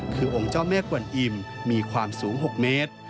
คือองค์เจ้าแม่กวนอิ่มมีความสูง๖เมตร